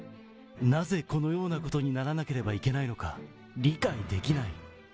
なぜこのようなことにならなければいけないのか理解できない。